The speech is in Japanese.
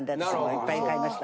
いっぱい買いました。